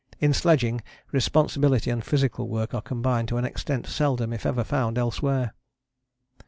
In sledging responsibility and physical work are combined to an extent seldom if ever found elsewhere.